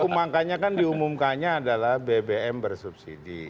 makanya kan diumumkannya adalah bbm bersubsidi